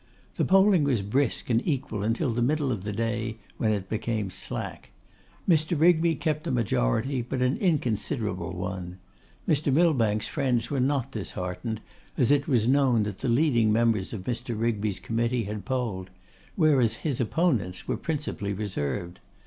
The polling was brisk and equal until the middle of the day, when it became slack. Mr. Rigby kept a majority, but an inconsiderable one. Mr. Millbank's friends were not disheartened, as it was known that the leading members of Mr. Rigby's committee had polled; whereas his opponent's were principally reserved.